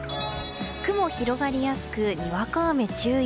雲広がりやすく、にわか雨注意。